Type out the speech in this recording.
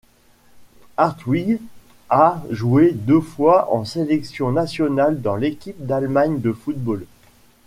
Hartwig a joué deux fois en sélection nationale dans l'équipe d'Allemagne de football.